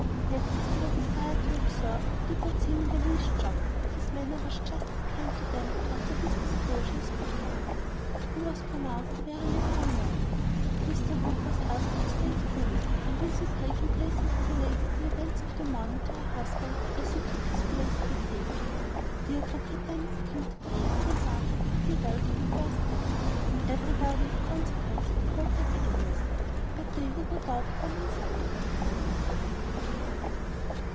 Yet, as they were desired to observe, he did not seem in the least shocked, and his manner was just as kind to them after this disclosure as before. He was pronounced a very liberal man. Mr Hope was asked to stay to dinner, and Mrs Grey complacently related the events of the morning to her husband as he took his place at table. Deerbrook had done its duty to Hester and Margaret pretty well for the first day. Everybody of consequence had called but the Andersons, and they would no doubt come on Sunday.